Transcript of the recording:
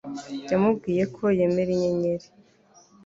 Yamubwiye ko yemera inyenyeri.